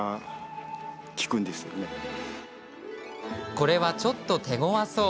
これはちょっと手ごわそう。